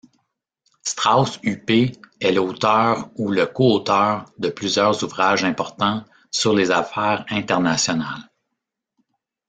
Strausz-Hupé est l'auteur ou le co-auteur de plusieurs ouvrages importants sur les affaires internationales.